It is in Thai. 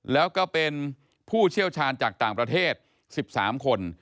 แล้วก็เป็นผู้เชี่ยวชาญจากต่างประเทศ๑๓คน